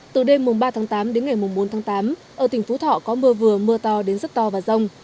từ đêm ba tháng tám đến ngày bốn tháng tám ở tỉnh phú thọ có mưa vừa mưa to đến rất to và rông